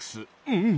うん！